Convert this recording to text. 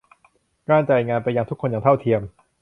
การจ่ายงานไปยังทุกคนอย่างเท่าเทียม